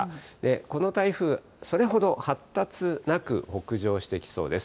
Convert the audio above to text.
この台風、それほど発達なく北上してきそうです。